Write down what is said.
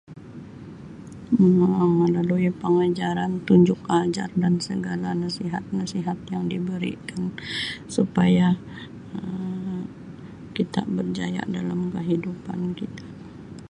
Um Melalui pengajaran, tunjuk ajar dan segala nasihat-nasihat yang diberikan supaya Um kita berjaya dalam kehidupan kita.